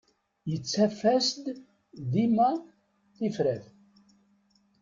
Yettaf-as-d dima tifrat.